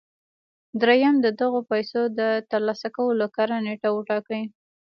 درېيم د دغو پيسو د ترلاسه کولو کره نېټه وټاکئ.